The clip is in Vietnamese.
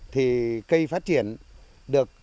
thì cây phát triển được